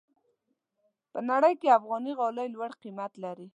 په نړۍ کې افغاني غالۍ لوړ قیمت لري.